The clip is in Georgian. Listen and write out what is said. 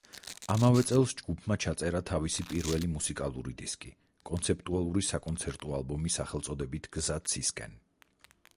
ამავე წელს ჯგუფმა ჩაწერა თავისი პირველი მუსიკალური დისკი, კონცეპტუალური საკონცერტო ალბომი სახელწოდებით „გზა ცისკენ“.